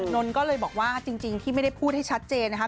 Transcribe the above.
นนท์ก็เลยบอกว่าจริงที่ไม่ได้พูดให้ชัดเจนนะคะ